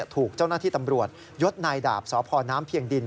ถูกเจ้าหน้าที่ตำรวจยดนายดาบสพน้ำเพียงดิน